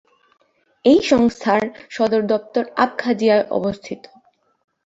এই সংস্থার সদর দপ্তর আবখাজিয়ায় অবস্থিত।